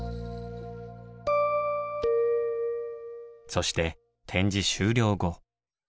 そして展示終了後。